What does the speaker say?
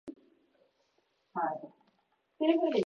こっちこい